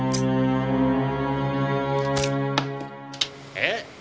えっ？